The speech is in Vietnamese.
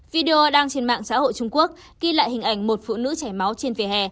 video đang trên mạng xã hội trung quốc ghi lại hình ảnh một phụ nữ chảy máu trên vỉa hè